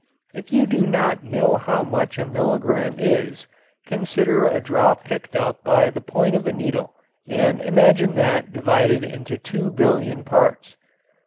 If you do not know how much a milligram is consider a drop picked up by the point of a needle and imagine that divided into two billion parts.